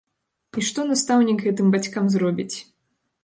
І што настаўнік гэтым бацькам зробіць?